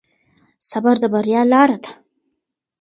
صبر د بريا لاره ده.